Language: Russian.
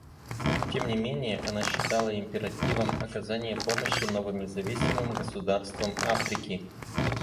Тем не менее, она считала императивом оказание помощи новым независимым государствам Африки.